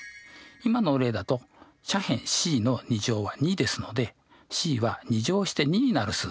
今の例だと斜辺ｃの２乗は２ですのでｃは２乗して２になる数。